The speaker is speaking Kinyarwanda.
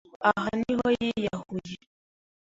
Aha niho yiyahuye.